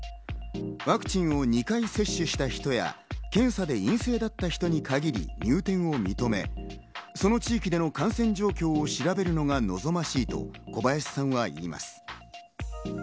ワクチンを２回接種した人や、検査で陰性だった人に限り入店を認め、その地域での感染状況を調べるのが望ましいと小林さんはいいます。